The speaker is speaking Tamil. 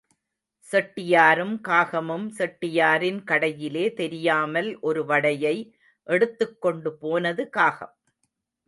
செட்டியாரும் காகமும் செட்டியாரின் கடையிலே தெரியாமல் ஒரு வடையை எடுத்துக்கொண்டு போனது காகம்.